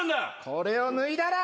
これを脱いだら！